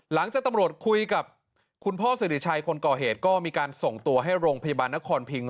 หลังจากตำรวจคุยกับคุณพ่อสิริชัยคนก่อเหตุก็มีการส่งตัวให้โรงพยาบาลนครพิง